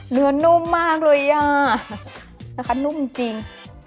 นุ่มมากเลยอ่ะนะคะนุ่มจริง